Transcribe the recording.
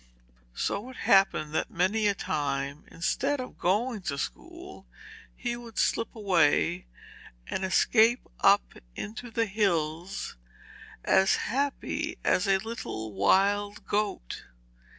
So it happened that many a time, instead of going to school, he would slip away and escape up into the hills, as happy as a little wild goat.